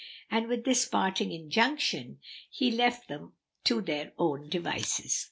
and with this parting injunction he left them to their own devices.